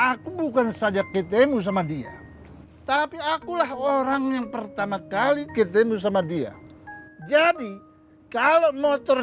aku bukan saja ketemu sama dia tapi akulah orang yang pertama kali ketemu sama dia jadi kalau motor